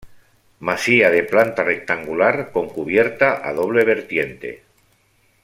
Masía de planta rectangular con cubierta a doble vertiente.